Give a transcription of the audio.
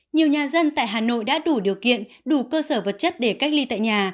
nhiều nhà dân tại hà nội đã đủ điều kiện đủ cơ sở vật chất để cách ly tại nhà